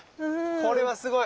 これはすごい！